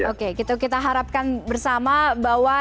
oke kita harapkan bersama bahwa